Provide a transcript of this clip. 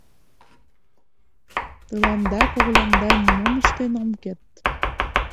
— Тыланда когыляндат нимом ыштен ом керт.